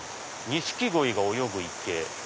「錦鯉が泳ぐ池」。